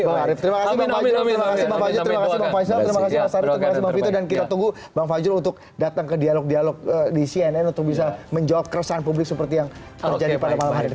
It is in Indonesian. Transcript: terima kasih pak fajro terima kasih pak fajro terima kasih pak fajro terima kasih pak fito dan kita tunggu pak fajro untuk datang ke dialog dialog di cnn untuk bisa menjawab karyawan publik seperti yang terjadi pada malam hari ini